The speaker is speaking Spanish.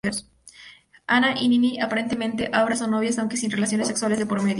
Ana y Nini aparentemente ahora son novias, aunque sin relaciones sexuales de por medio.